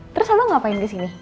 terus abang ngapain kesini